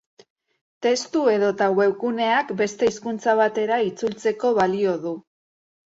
Testu edota webguneak beste hizkuntza batera itzultzeko balio du.